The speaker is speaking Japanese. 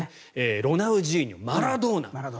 ロナウジーニョ、マラドーナ。